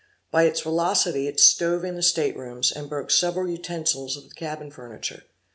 By its velocity it stove in the state rooms, and broke several utensils of the cabin furniture.